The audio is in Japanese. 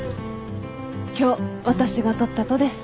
今日私が撮ったとです。